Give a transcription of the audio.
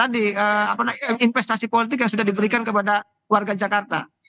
jadi mereka juga punya investasi politik yang sudah diberikan kepada warga jakarta